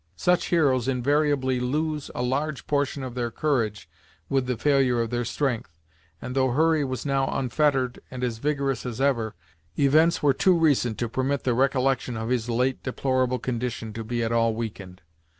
Such heroes invariably lose a large portion of their courage with the failure of their strength, and though Hurry was now unfettered and as vigorous as ever, events were too recent to permit the recollection of his late deplorable condition to be at all weakened.